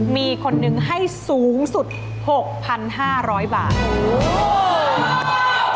มีคนนึงให้สูงสุด๖๕๐๐บาท